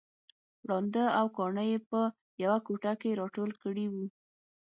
ړانده او کاڼه يې په يوه کوټه کې راټول کړي وو